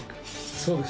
そうです。